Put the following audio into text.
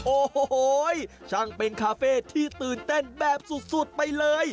โอ้โหช่างเป็นคาเฟ่ที่ตื่นเต้นแบบสุดไปเลย